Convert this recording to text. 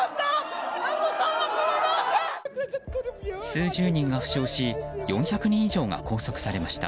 数十人が負傷し４００人以上が拘束されました。